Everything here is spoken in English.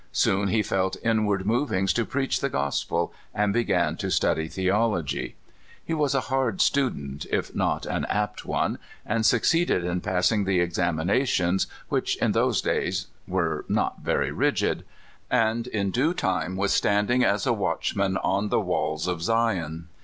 Soon he felt inward movings to preach the gospel, and began to study theology. He was a hard student, if not an apt one, and succeeded in passing the examinations (which in those days were not very rigid), and in due time was standing as a watchman on the walls of Zion.